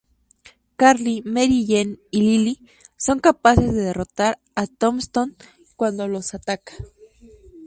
Carlie, Mary Jane y Lily son capaces de derrotar a Tombstone cuando los ataca.